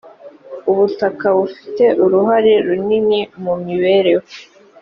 ubutaka bufite uruhare runini mu mibereho